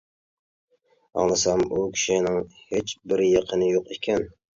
ئاڭلىسام، ئۇ كىشىنىڭ ھېچبىر يېقىنى يوق ئىكەن.